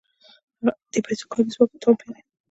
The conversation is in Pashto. هغه په دې پیسو کاري ځواک او تخم پېري